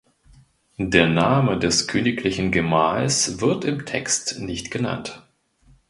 Der Name des königlichen Gemahls wird im Text nicht genannt.